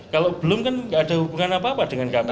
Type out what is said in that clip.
kalau belum kan tidak ada hubungan apa apa dengan kami